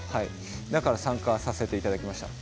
だから参加させていただきました。